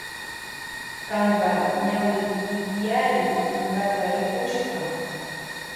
Kanpa ñawi llipyarin ñukata rikushpa.